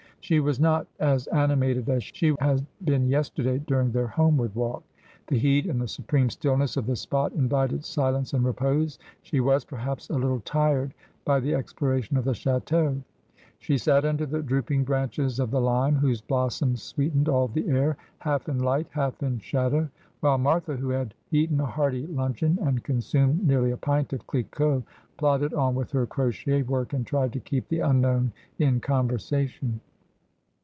She was not as animated as she had been yesterday during their homeward walk. The heat and the supreme stillness of the spot invited silence and repose. She was, perhaps, a little tired by the exploration of the chateau. She sat under the drooping branches of the lime, whose blossoms sweetened all the air, half in light, half in shadow : whUe Martha, who had eaten a hearty luncheon, and consumed nearly a pint of Cliquot, plodded on with her crochet work, and tried to keep the unknown in conversation.